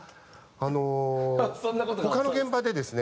あの他の現場でですね